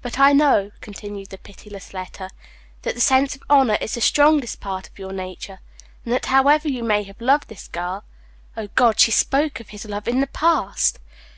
"But I know," continued that pitiless letter, "that the sense of honor is the strongest part of your nature, and that, however you may have loved this girl" (O God, she spoke of his love in the past!)